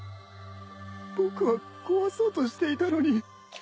僕は壊そうとしていたのに。